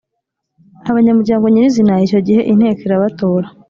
abanyamuryango nyirizina icyo gihe Inteko irabatora.